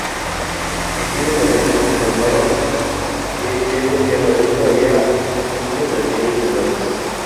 Allí los aldeanos confirmaron que yendo tierra adentro, había muchos de aquellos metales.